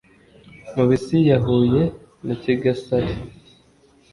mu bisi ya huye na kigasari.